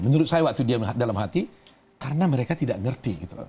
menurut saya waktu dia dalam hati karena mereka tidak mengerti